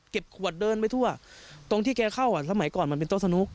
ขวดเดินไปทั่วตรงที่แกเข้าอ่ะสมัยก่อนมันเป็นโต๊ะสนุก